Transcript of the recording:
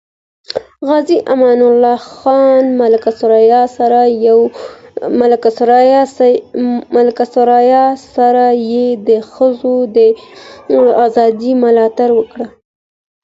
غازي امان الله خان ملکه ثریا سره یې د ښځو د ازادۍ ملاتړ وکړ.